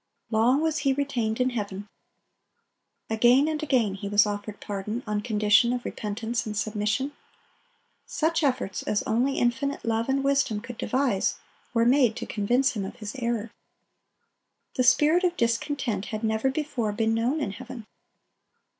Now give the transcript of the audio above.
Long was he retained in heaven. Again and again he was offered pardon, on condition of repentance and submission. Such efforts as only infinite love and wisdom could devise, were made to convince him of his error. The spirit of discontent had never before been known in heaven.